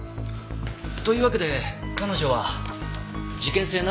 というわけで彼女は事件性なしと判断します。